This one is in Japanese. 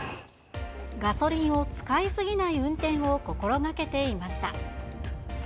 ガソリンを使いすぎない運転を心がけていました。